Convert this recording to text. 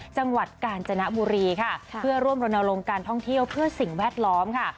จังหวัดกาญจนบุรีค่ะเพื่อร่วมรณรงค์การท่องเที่ยวเพื่อสิ่งแวดล้อมค่ะ